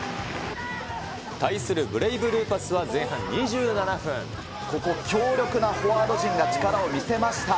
対するブレイブルーパスは前半２７分、ここ、強力なフォワード陣が力を見せました。